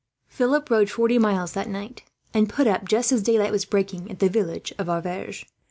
Philip rode forty miles that night; and put up, just as daylight was breaking, at the village of Auverge.